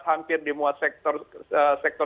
hampir dimuat sektor